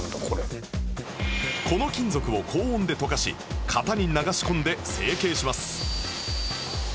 この金属を高温で溶かし型に流し込んで成型します